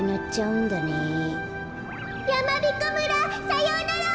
さようなら！